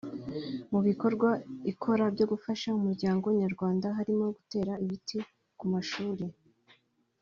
Mu bikorwa ikora byo gufasha umuryango nyarwanda harimo gutera ibiti ku mashuri